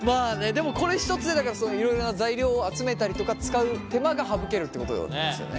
でもこれ１つでだからいろいろな材料を集めたりとか使う手間が省けるってことなんですよね？